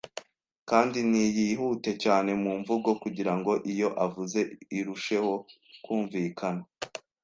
kandi ntiyihute yane mu mvugo kugira ngo iyo avuze irusheho kumvikana